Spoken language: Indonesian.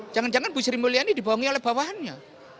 jangan jangan bu sri mulyani dibawangi oleh bawahannya